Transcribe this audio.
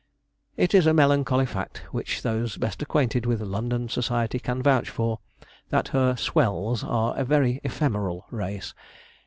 It is a melancholy fact, which those best acquainted with London society can vouch for, that her 'swells' are a very ephemeral race.